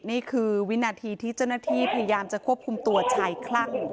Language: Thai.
นี่คือวินาทีที่เจ้าหน้าที่พยายามจะควบคุมตัวชายคลั่ง